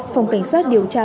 phòng cảnh sát điều tra